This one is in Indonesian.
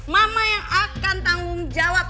mama yang akan tanggung jawab